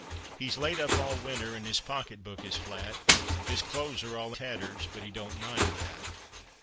He's laid up all winter, and his pocket book is flat, His clothes are all tatters, but he don't mind that.